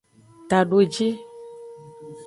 Tadojii.